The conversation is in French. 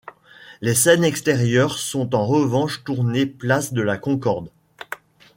Les scènes extérieures sont en revanche tournées place de la Concorde.